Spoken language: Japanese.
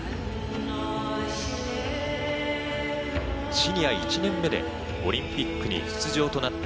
シニア１年目でオリンピックに出場となった